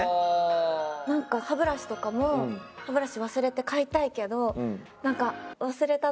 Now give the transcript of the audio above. なんか歯ブラシとかも歯ブラシ忘れて買いたいけどなんか。